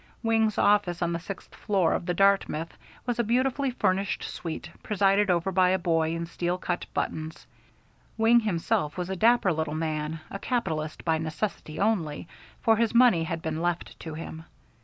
Wing's office on the sixth floor of the Dartmouth was a beautifully furnished suite, presided over by a boy in cut steel buttons. Wing himself was a dapper little man, a capitalist by necessity only, for his money had been left to him.